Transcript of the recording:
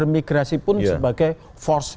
migrasi pun sebagai force